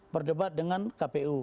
berdebat dengan kpu